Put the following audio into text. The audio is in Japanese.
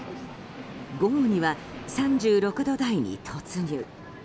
午後には３６度台に突入。